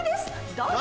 どうぞ！